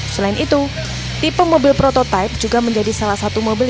selain itu tipe mobil prototipe juga menjadi salah satu mobil